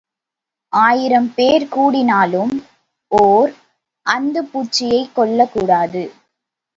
ஆயிரம் பேர் கூடினாலும் ஓர் அந்துப்பூச்சியைக் கொல்லக் கூடாது.